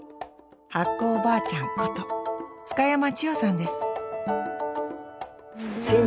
発酵おばあちゃんこと津嘉山千代さんです